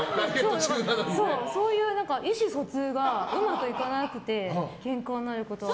そういう意思疎通がうまくいかなくてケンカになることがある。